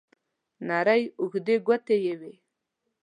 نرۍ اوږدې ګوتې یې وې.